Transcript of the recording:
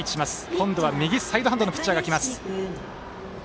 今度は右サイドハンドのピッチャーが来ます。